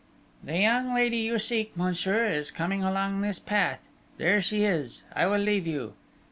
"The young lady you seek, monsieur, is coming along this path: there she is!... I will leave you."